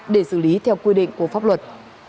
để xử lý theo quy định của pháp luật